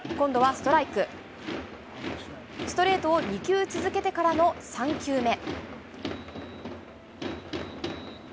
ストレートを２球続けてからの３球目。